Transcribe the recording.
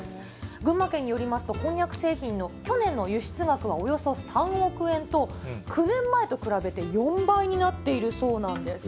群馬県によりますと、こんにゃく製品の去年の輸出額はおよそ３億円と、９年前と比べて４倍になっているそうなんです。